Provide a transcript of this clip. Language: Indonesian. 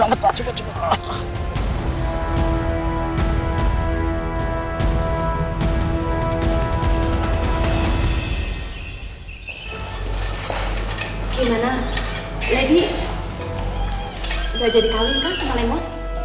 udah jadi kalin kan sama lemos